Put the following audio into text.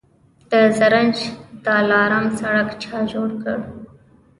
د زرنج دلارام سړک چا جوړ کړ؟